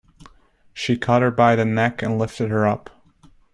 She caught her by the neck and lifted her up.